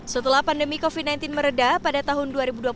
setelah pandemi covid sembilan belas meredah pada tahun dua ribu dua puluh satu